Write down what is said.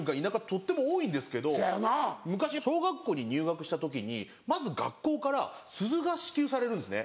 とっても多いんですけど昔小学校に入学した時にまず学校から鈴が支給されるんですね。